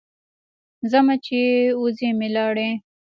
ځمه چې وزې مې لاړې.